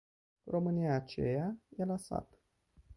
România aceea e la sat.